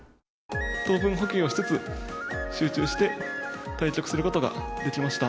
糖分補給をしつつ、集中して対局することができました。